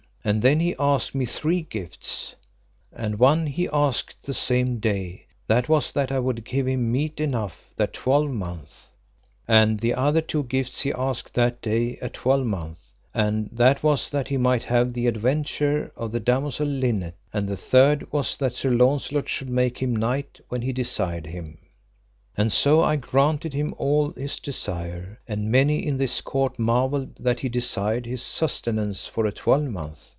And then he asked me three gifts; and one he asked the same day, that was that I would give him meat enough that twelvemonth; and the other two gifts he asked that day a twelvemonth, and that was that he might have the adventure of the damosel Linet, and the third was that Sir Launcelot should make him knight when he desired him. And so I granted him all his desire, and many in this court marvelled that he desired his sustenance for a twelvemonth.